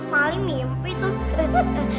paling mimpi tuh